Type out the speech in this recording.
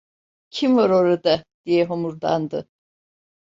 Kim var orada? diye homurdandı.